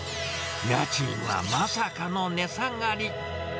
家賃はまさかの値下がり。